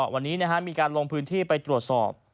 วันนี้มีการลงพื้นที่ไปตรวจสอบ